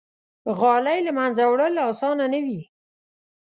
غالۍ له منځه وړل آسانه نه وي.